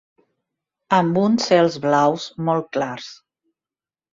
Amb uns cels blaus, molt clars